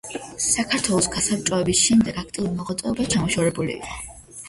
საქართველოს გასაბჭოების შემდეგ აქტიურ მოღვაწეობას ჩამოშორებული იყო.